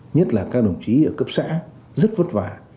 nhất là các đồng chí ở cấp xã rất vất vả